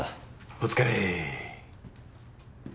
お疲れ。